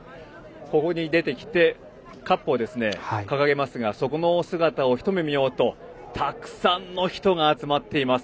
ここに出てきてカップを掲げますがその姿を一目見ようとたくさんの人が集まっています。